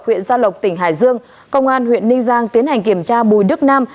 huyện gia lộc tỉnh hải dương công an huyện ninh giang tiến hành kiểm tra bùi đức nam